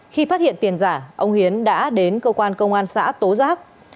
khi phát hiện tiền giả ông hiến đã đến cơ quan công an xã tố giác